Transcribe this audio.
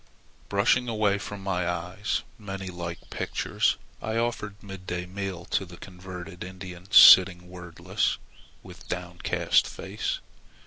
Brushing away from my eyes many like pictures, I offered midday meal to the converted Indian sitting wordless and with downcast face.